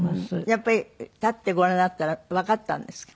やっぱり立ってご覧になったらわかったんですか？